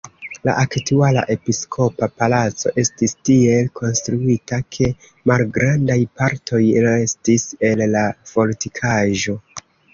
La aktuala episkopa palaco estis tiel konstruita, ke malgrandaj partoj restis el la fortikaĵo.